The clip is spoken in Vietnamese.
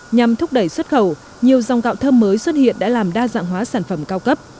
nhằm thúc đẩy xuất khẩu nhiều dòng gạo thơm mới xuất hiện đã làm đa dạng hóa sản phẩm cao cấp